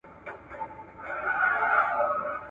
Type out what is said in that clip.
زما سندره تر قیامته له جهان سره پاییږی !.